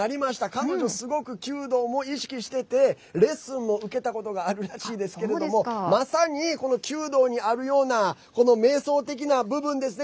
彼女、すごく弓道も意識していてレッスンも受けたことがあるらしいんですけれどもまさに、この弓道にあるような瞑想的な部分ですね。